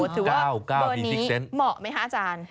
ถือว่าเบอร์นี้เหมาะไหมคะอาจารย์